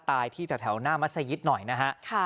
ตายที่แถวหน้ามัศยิตหน่อยนะฮะ